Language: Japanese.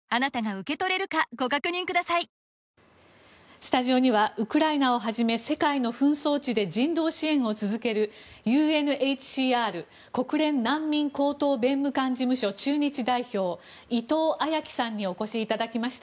スタジオにはウクライナをはじめ世界の紛争地で人道支援を続けるＵＮＨＣＲ・国連難民高等弁務官事務所駐日代表、伊藤礼樹さんにお越しいただきました。